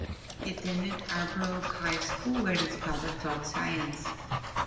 He attended Arbroath High School, where his father taught science.